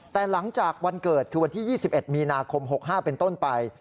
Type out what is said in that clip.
แต่หลังจากวันเกิดคือวันที่๒๑มีนาคม๖๕เป็นต้นไป